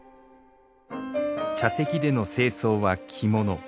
茶席での正装は着物。